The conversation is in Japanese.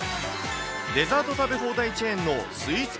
デザート食べ放題チェーンのスイーツ